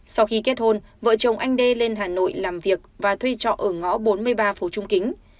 sau khi kết hôn vợ chồng anh đê lên hà nội làm việc và thuê trọ ở ngõ bốn mươi ba phố trung kính